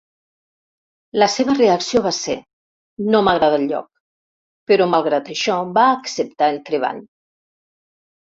La seva reacció va ser: "No m'agrada el lloc", però malgrat això va acceptar el treball.